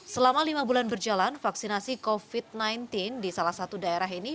selama lima bulan berjalan vaksinasi covid sembilan belas di salah satu daerah ini